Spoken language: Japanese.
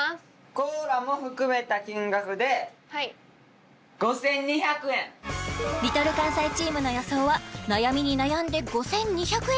コーラも含めた金額でＬｉｌかんさいチームの予想は悩みに悩んで５２００円